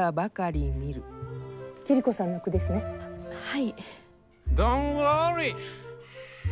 はい。